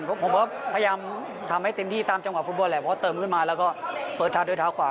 เพราะว่าเติมขึ้นมาแล้วก็เปิดทางด้วยทางขวา